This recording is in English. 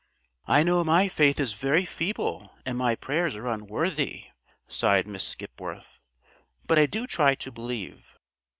"I know my faith is very feeble and my prayers are unworthy," sighed Miss Skipworth, "but I do try to believe.